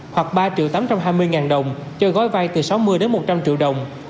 hoặc ba tám trăm hai mươi đồng cho gói vai từ sáu mươi một trăm linh triệu đồng